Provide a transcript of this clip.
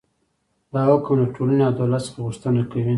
دا حکم له ټولنې او دولت څخه غوښتنه کوي.